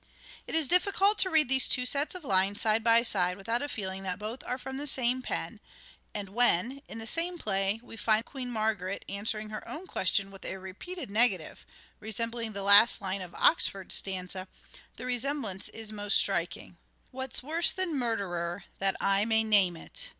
It is difficult to read these two sets of lines side by side without a feeling that both are from the same pen, and when, in the same play, we find Queen Margaret answering her own question with a repeated negative, resembling the last line of Oxford's stanza, the resemblance is most striking. " What's worse than murderer that I may name it